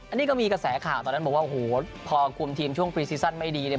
อันนี้ก็มีกระแสข่าวตอนนั้นบอกว่าโหพอกลุ่มทีมช่วงไม่ดีเนี้ย